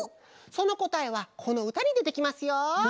そのこたえはこのうたにでてきますよ！